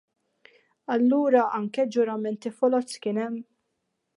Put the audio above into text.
Allura anke ġuramenti foloz kien hemm!